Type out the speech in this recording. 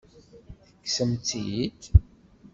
Tekksem-tt-id?